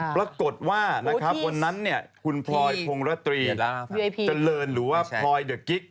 ปรากฏว่านะครับวันนั้นเนี่ยคุณพลอยพงรตรีเจริญหรือว่าพลอยเดอะกิ๊ก